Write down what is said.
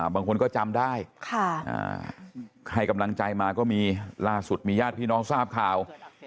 บางคนก็จำได้ให้กำลังใจมาก็มีล่าสุดมีญาติพี่น้องทราบข่าว